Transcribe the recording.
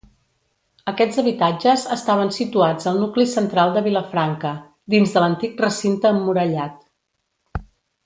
Aquests habitatges estaven situats al nucli central de Vilafranca, dins de l'antic recinte emmurallat.